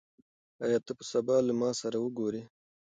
آيا ته به سبا له ما سره وګورې؟